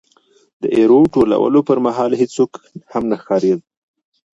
د ایرو ټولولو پرمهال هېڅوک هم نه ښکاري.